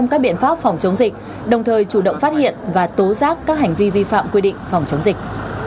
trong các biện pháp phòng chống dịch đồng thời chủ động phát hiện và tố giác các hành vi vi phạm quy định phòng chống dịch